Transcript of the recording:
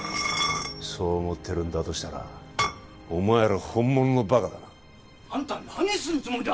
そう思ってるんだとしたらお前ら本物のバカだなあんた何するつもりだ！